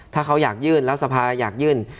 ถ้าเขาอยากยื่นแล้วสภาอยากยื่น